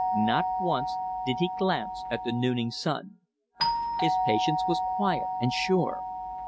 Not once did he glance at the nooning sun. His patience was quiet and sure.